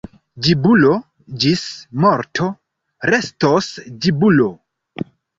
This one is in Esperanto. Ĝibulo ĝis morto restos ĝibulo.